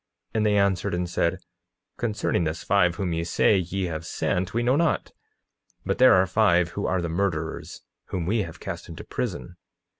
And they answered and said: Concerning this five whom ye say ye have sent, we know not; but there are five who are the murderers, whom we have cast into prison.